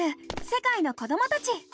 世界の子どもたち」。